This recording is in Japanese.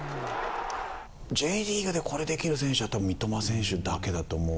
Ｊリーグでこれができる選手は三笘選手だけだと思う。